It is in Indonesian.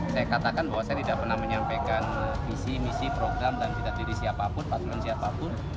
saya katakan bahwa saya tidak pernah menyampaikan visi misi program dan cita diri siapapun paslon siapapun